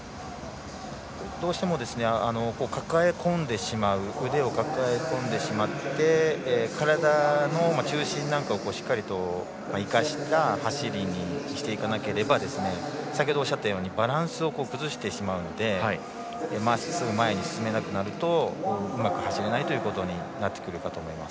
どうしても腕を抱え込んでしまって体の中心なんかをしっかりと生かした走りにしていかなければ先ほどおっしゃったようにバランスを崩してしまうのでまっすぐ前に進めなくなるとうまく走れないということになってくるかと思います。